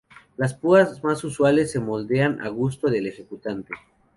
Las púas más usuales se moldean a gusto del ejecutante.